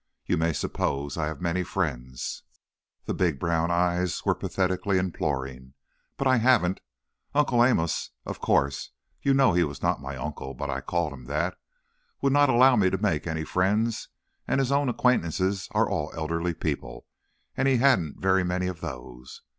You may suppose I have many friends," the big brown eyes were pathetically imploring, "but I haven't. Uncle Amos, of course, you know he was not my uncle, but I called him that, would not allow me to make many friends and his own acquaintances are all elderly people and he hadn't very many of those.